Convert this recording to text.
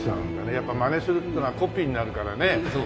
やっぱマネするっていうのはコピーになるからね。